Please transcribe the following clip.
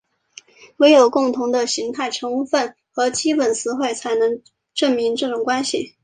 惟有共同的形态成分和基本词汇才能证明这种关系。